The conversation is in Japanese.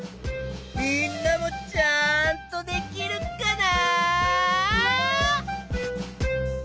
みんなもちゃんとできるかな？